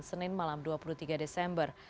senin malam dua puluh tiga desember